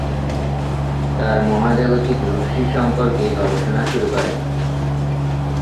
তার মহাজাগতিক রশ্মি সম্পর্কে গবেষণা শুরু করেন।